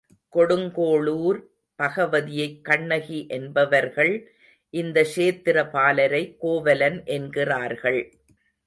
கொடுங்கோளூர் பகவதியைக் கண்ணகி என்பவர்கள், இந்த க்ஷேத்திரபாலரை கோவலன் என்கிறார்கள்.